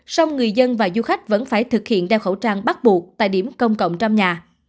sông người dân và du khách vẫn phải thực hiện đeo khẩu trang bắt buộc tại điểm công cộng trong nhà